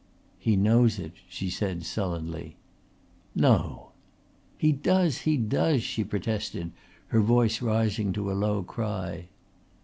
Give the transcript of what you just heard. "He knows it," she said sullenly. "No!" "He does! He does!" she protested, her voice rising to a low cry.